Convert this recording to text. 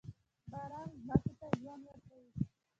باران ځمکې ته ژوند ورکوي.